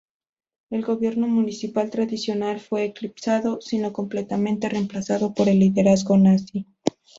El gobierno municipal tradicional fue eclipsado, si no completamente reemplazado, por el liderazgo nazi.